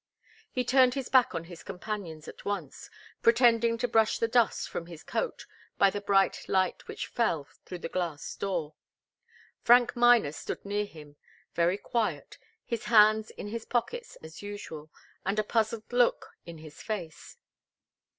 He turned his back on his companions at once, pretending to brush the dust from his coat by the bright light which fell through the glass door. Frank Miner stood near him, very quiet, his hands in his pockets, as usual, and a puzzled look in his face.